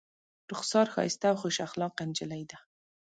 رخسار ښایسته او خوش اخلاقه نجلۍ ده.